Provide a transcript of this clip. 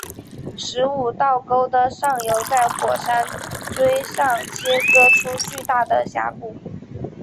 十五道沟的上游在火山锥上切割出巨大的峡谷。